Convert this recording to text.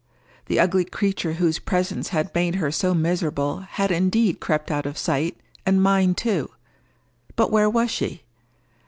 The ugly creature whose presence had made her so miserable had indeed crept out of sight and mind too—but where was she?